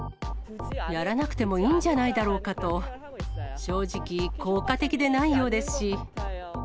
やらなくてもいいんじゃないだろうかと、正直、効果的でないようですし。